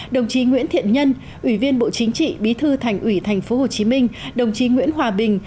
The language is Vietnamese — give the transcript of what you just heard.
đồng chí nguyễn thiện nhân ủy viên bộ chính trị bí thư thành ủy tp hcm đồng chí nguyễn hòa bình